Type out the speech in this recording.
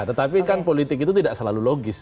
tetapi kan politik itu tidak selalu logis